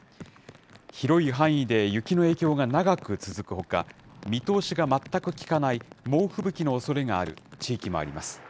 広い範囲で雪の影響が長く続くほか、見通しが全く利かない猛吹雪のおそれがある地域もあります。